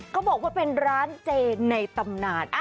เขาบอกว่าเป็นร้านเจในตำนาน